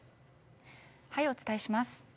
お伝えします。